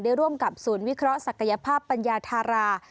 ร่วมกับศูนย์วิเคราะห์ศักยภาพปัญญาธารา